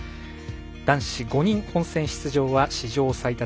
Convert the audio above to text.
男子５人、本戦出場は史上最多